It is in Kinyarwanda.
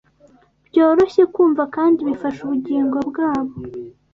byoroshye kumva, kandi bifasha ubugingo bwabo